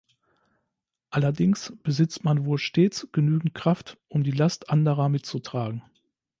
Allerdings besitzt man wohl stets genügend Kraft, um die Last anderer mitzutragen!